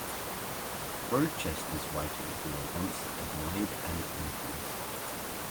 Rochester's writings were at once admired and infamous.